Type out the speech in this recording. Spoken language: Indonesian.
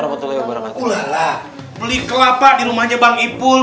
beli kelapa di rumahnya bang ipul